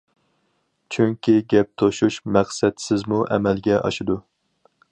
چۈنكى گەپ توشۇش مەقسەتسىزمۇ ئەمەلگە ئاشىدۇ.